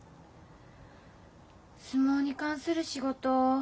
相撲に関する仕事